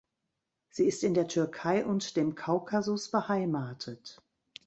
Sie ist in der Türkei und dem Kaukasus beheimatet.